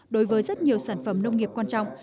đối với rất nhiều sản phẩm nông nghiệp quan trọng